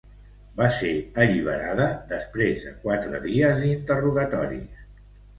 Va ser alliberada després de quatre dies d'interrogatoris.